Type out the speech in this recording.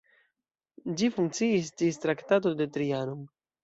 Ĝi funkciis ĝis Traktato de Trianon.